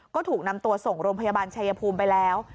ก็ถูกนำตัวส่งโรงพยาบาลชายภูมิไปแล้ว